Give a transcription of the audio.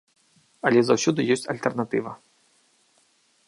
Але заўсёды ёсць альтэрнатыва.